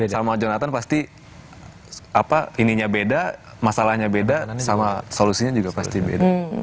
sama jonathan pasti ininya beda masalahnya beda sama solusinya juga pasti beda